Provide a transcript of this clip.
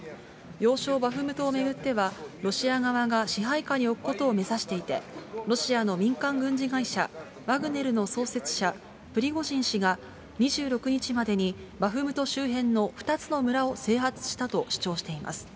要衝バフムトを巡っては、ロシア側が支配下に置くことを目指していて、ロシアの民間軍事会社、ワグネルの創始者、プリゴジン氏が２６日までにバフムト周辺の２つの村を制圧したと主張しています。